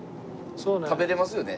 食べられますよね？